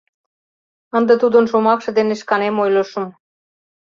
Ынде тудын шомакше дене шканем ойлышым...